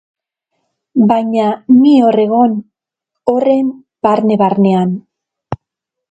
Baina ni hor egon, horren barne-barnean.